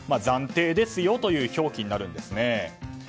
暫定ですよという表記になるんですね。